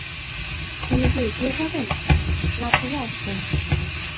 তিনি কি এগিয়ে যাবেন, না ফিরে আসবেন?